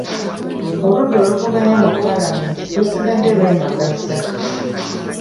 Oludda oluvuganya mu Paalamenti lusigadde lwemagaza.